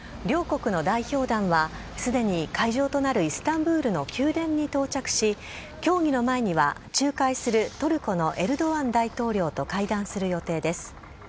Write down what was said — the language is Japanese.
両国の代表団は、すでに会場となるイスタンブールの宮殿に到着し、協議の前には、仲介するトルコのエルドアン大統領と会談する予定です。